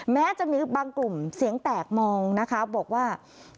แม้จะมีบางกลุ่มเสียงแตกมองนะคะบอกว่า